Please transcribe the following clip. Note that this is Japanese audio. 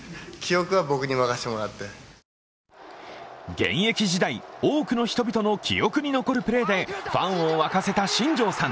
現役時代、多く人々の記憶に残るプレーでファンを沸かせた新庄さん。